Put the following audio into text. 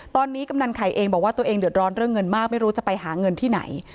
ตอนนี้กำนันไข่เองบอกว่าตัวเองเดือดร้อนเรื่องเงินมากไม่รู้จะไปหาเงินที่ไหน